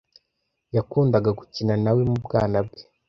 Yakundaga gukina na we mu bwana bwe.